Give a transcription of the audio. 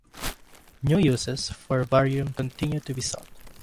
New uses for barium continue to be sought.